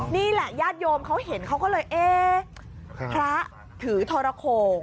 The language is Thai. นี่แหละญาติโยมเขาเห็นเขาก็เลยเอ๊ะพระถือทรโขง